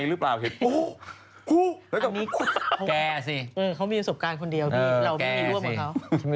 กลัวว่าผมจะต้องไปพูดให้ปากคำกับตำรวจยังไง